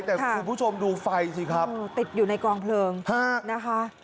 แต่คุณผู้ชมดูไฟสิครับติดอยู่ในกองเพลิงฮะนะคะ